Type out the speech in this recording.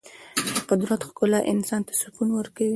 د قدرت ښکلا انسان ته سکون ورکوي.